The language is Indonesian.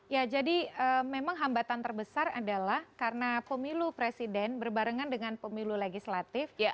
ya jadi memang hambatan terbesar adalah karena pemilu presiden berbarengan dengan pemilu legislatif